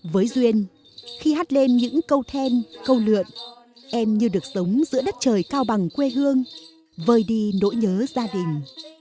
với duyên khi hát lên những câu then câu lượn em như được sống giữa đất trời cao bằng quê hương vơi đi nỗi nhớ gia đình